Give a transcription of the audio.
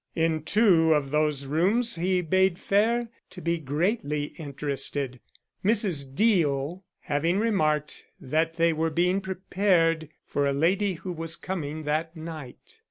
In two of those rooms he bade fair to be greatly interested, Mrs. Deo having remarked that they were being prepared for a lady who was coming that night.